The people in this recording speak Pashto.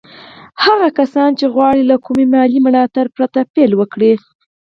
هغه کسان چې غواړي له کوم مالي ملاتړ پرته پيل وکړي.